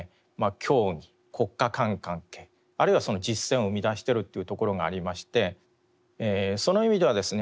教義国家間関係あるいはその実践を生みだしているというところがありましてその意味ではですね